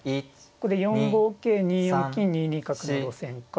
ここで４五桂２四金２二角の路線か。